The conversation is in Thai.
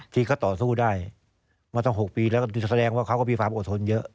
ที่เขาต่อสู้ได้มาตั้ง๖ปีแล้วก็แสดงว่าเขาก็มีความอดทนเยอะ